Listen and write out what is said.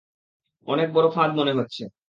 অনেক বড় ফাঁদ মনে হচ্ছে।